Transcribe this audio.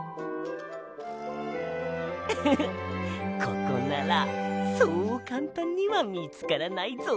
ウフフッここならそうかんたんにはみつからないぞ。